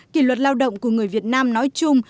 kỷ luật lao động của người việt nam nói chung